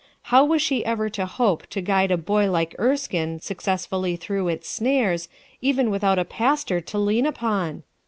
How was she ever to hope to guide a boy like Erskine successfully through its snares, without even a pastor to lean upon?